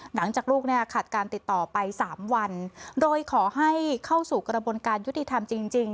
หลังจากลูกเนี่ยขาดการติดต่อไปสามวันโดยขอให้เข้าสู่กระบวนการยุติธรรมจริง